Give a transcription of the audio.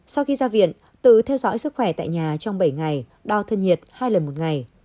sau khi ra viện tự theo dõi sức khỏe tại nhà trong bảy ngày đo thân nhiệt hai lần một ngày